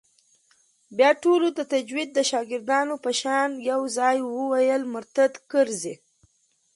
بيا ټولو د تجويد د شاگردانو په شان يو ځايي وويل مرتد کرزى.